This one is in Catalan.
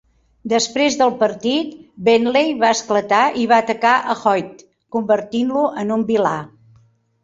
Després del partit, Bentley va esclatar i va atacar a Hoyt, convertint-lo en un vilà.